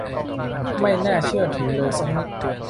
ไม่น่าเชื่อถือเลยสักนิด !